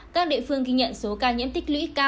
các địa phương ghi nhận số ca nhiễm tích lũy cao